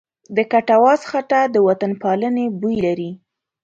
د کټواز خټه د وطنپالنې بوی لري.